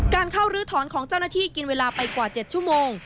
การเข้าลื้อถอนของเจ้าหน้าที่กินเวลาไปกว่า๗ชั่วโมง